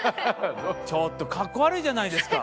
ちょっと格好悪いじゃないですか。